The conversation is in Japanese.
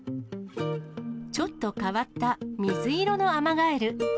ちょっと変わった水色のアマガエル。